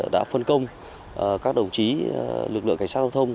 đã phân công các đồng chí lực lượng cảnh sát giao thông